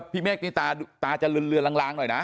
เมฆนี่ตาจะเลือนลางหน่อยนะ